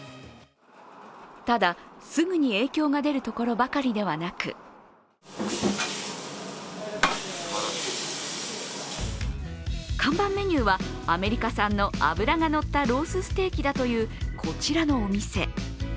ただ、すぐに影響が出るところばかりではなく看板メニューはアメリカ産の脂がのったロースステーキだというこちらのお店。